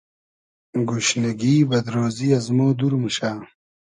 گوشنیگی ، بئد رۉزی از مۉ دور موشۂ